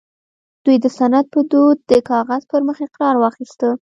دوی د سند په دود د کاغذ پر مخ اقرار واخيسته